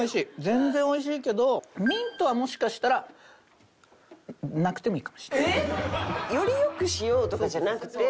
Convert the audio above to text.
全然おいしいけどミントはもしかしたらなくてもいいかもしれない。えっ！？よりよくしようとかじゃなくて。